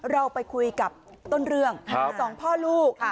เราไปคุยกับต้นเรื่องสองพ่อลูก